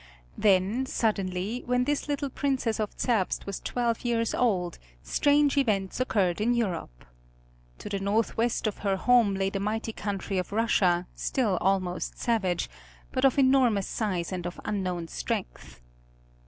Then, suddenly, when this little Princess of Zerbst was twelve years old, strange events occurred in Europe. To the northwest of her home lay the mighty country of Russia, still almost savage, but of enormous size and of unknown strength.